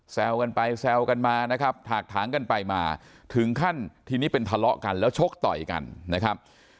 กันไปแซวกันมานะครับถากถางกันไปมาถึงขั้นทีนี้เป็นทะเลาะกันแล้วชกต่อยกันนะครับ